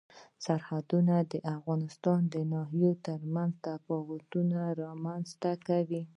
سرحدونه د افغانستان د ناحیو ترمنځ تفاوتونه رامنځ ته کوي.